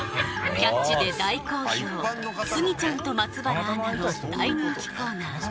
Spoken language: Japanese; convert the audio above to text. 「キャッチ！」で大好評スギちゃんと松原アナの大人気コーナー